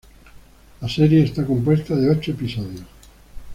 La serie está compuesta de ocho episodios.